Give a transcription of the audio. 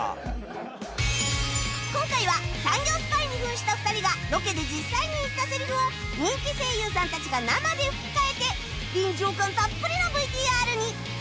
今回は産業スパイに扮した２人がロケで実際に言ったセリフを人気声優さんたちが生で吹き替えて臨場感たっぷりの ＶＴＲ に